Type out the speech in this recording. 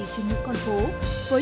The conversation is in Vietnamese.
trong chiếc chăn ấm